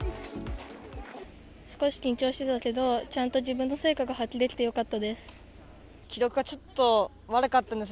少し緊張してたけど、ちゃんと自分の成果が発揮できてよかったです。